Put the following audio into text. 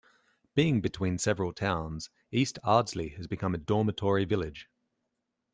Being between several towns, East Ardsley has become a dormitory village.